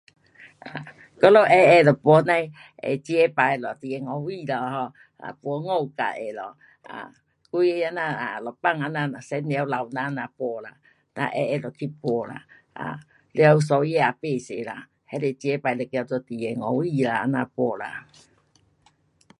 我们矮矮就挷那呐的接起挷了二十五支了 um，捆五角的咯，啊，几个这样一班妇女老人呐挷啦，哒矮矮就去挷啦，了绳子也不多啦，那就接起就叫做二十五支啦。这样挷啦。